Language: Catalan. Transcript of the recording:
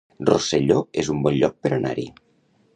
Rosselló es un bon lloc per anar-hi